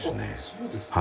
そうですか。